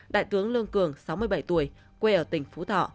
đại tướng lương cường sáu mươi bảy tuổi quê ở tỉnh phú thọ